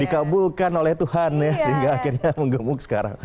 dikabulkan oleh tuhan ya sehingga akhirnya menggemuk sekarang